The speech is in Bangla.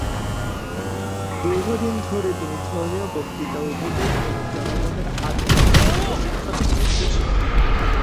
দীর্ঘদিন ধরে তিনি ধর্মীয় বক্তৃতা, উপদেশ এবং জনগণের আধ্যাত্মিক প্রশিক্ষণে নিয়োজিত ছিলেন।